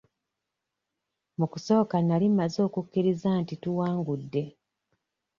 Mu kusooka nali mmaze okukkiriza nti tuwangudde.